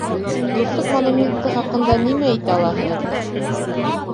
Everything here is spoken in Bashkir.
Дуҫлыҡ монументы хаҡында нимә әйтә алаһығыҙ?